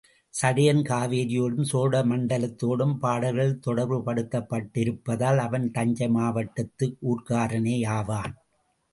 சடையன் காவிரியோடும் சோழ மண்டலத்தோடும் பாடல்களில் தொடர்பு படுத்தப்பட்டிருப்பதால், அவன் தஞ்சை மாவட்டத்து ஊர்க்காரனே யாவான்.